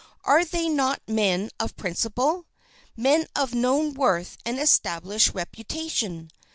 Are they not men of principle—men of known worth and established reputation?